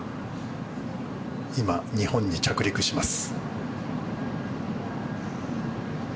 今、日本に着陸します。